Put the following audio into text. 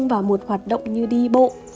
và một hoạt động như đi bộ